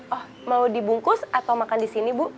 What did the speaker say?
oh mau dibungkus atau makan disini bu